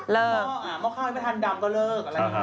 เมาะอ่ะเมาะข้าวที่ประธานดำก็เลิก